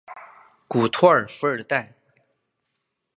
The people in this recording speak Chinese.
古托尔弗尔代。